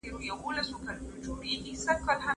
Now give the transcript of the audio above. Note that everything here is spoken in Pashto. د لومړي آيت پيغام زده کړه وه.